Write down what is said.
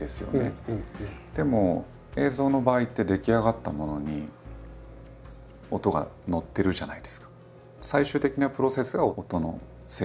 でも映像の場合って出来上がったものに音が乗ってるじゃないですか。